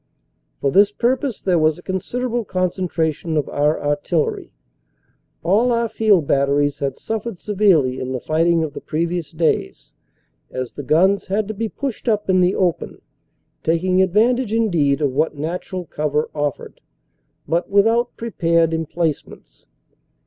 For this purpose there was a considerable concentration of our artillery. All our field bat teries had suffered severely in the fighting of the previous days, 253 254 CANADA S HUNDRED DAYS as the guns had to be pushed up in the open, taking advantage indeed of what natural cover offered, but without prepared emplacements.